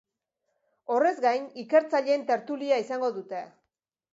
Horrez gain, ikertzaileen tertulia izango dute.